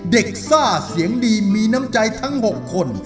ซ่าเสียงดีมีน้ำใจทั้ง๖คน